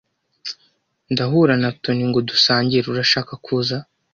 Ndahura na Toni ngo dusangire. Urashaka kuza?